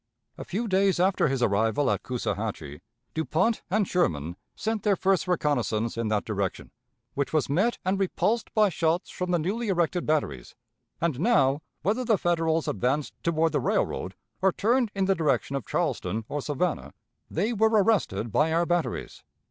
A few days after his arrival at Coosawhatchee, Dupont and Sherman sent their first reconnaissance in that direction, which was met and repulsed by shots from the newly erected batteries; and now, whether the Federals advanced toward the railroad or turned in the direction of Charleston or Savannah, they were arrested by our batteries.